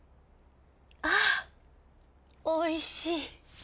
あおいしい。